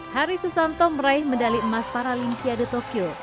hari susanto meraih medali emas paralimpiade tokyo